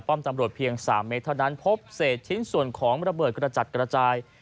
ตำรวจเพียง๓เมตรเท่านั้นพบเศษชิ้นส่วนของระเบิดกระจัดกระจาย